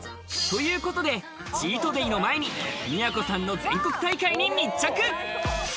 ということでチートデイの前に都さんの全国大会に密着。